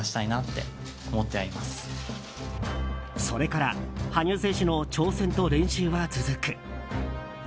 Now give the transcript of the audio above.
それから羽生選手の挑戦と練習は続く。